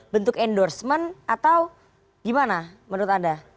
bentuk endorsement atau gimana menurut anda